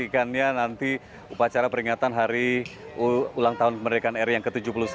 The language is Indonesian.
lokasikannya nanti upacara peringatan hari ulang tahun pemerintahan r yang ke tujuh puluh satu